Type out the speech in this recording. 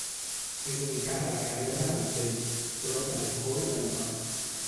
És ubicat a la carena del Teix, prop del Coll de l'Obac.